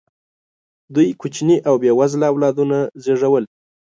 دوی کوچني او بې وزله اولادونه زېږول.